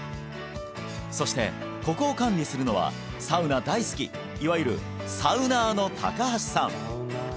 そしてここを管理するのはサウナ大好きいわゆるサウナーの高橋さん